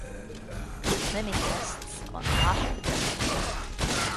Lemmy guests on "Laugh at the Devil".